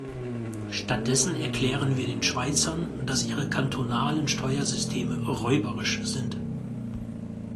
Stattdessen erklären wir den Schweizern, dass ihre kantonalen Steuersysteme "räuberisch" sind.